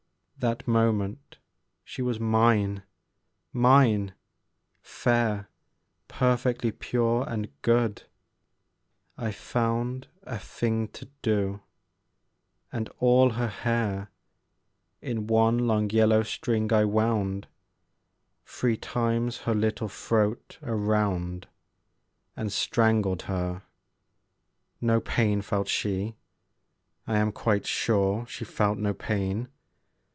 That moment she was mine, mine, fair, Perfectly pure and good: I found A thing to do, and all her hair In one long yellow string I wound Three times her little throat around, And strangled her. No pain felt she; I am quite sure she felt no pain.